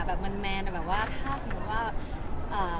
แบบมันแมนอ่ะแบบว่าถ้าหนูว่าอ่า